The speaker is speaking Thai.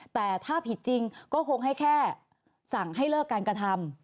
แต่ถ้าผิดจริงก็คงให้แค่สั่งให้เลิกการกระทำ